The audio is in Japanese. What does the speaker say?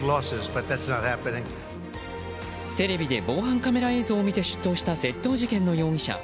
テレビで防犯カメラ映像を見て出頭した、窃盗事件の容疑者。